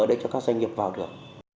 để cho các doanh nghiệp vào được